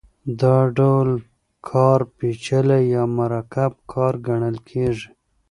دا ډول کار پېچلی یا مرکب کار ګڼل کېږي